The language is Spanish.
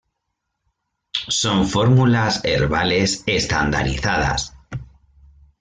Son fórmulas herbales estandarizadas.